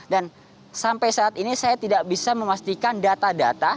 dan sampai saat ini saya tidak bisa memastikan data data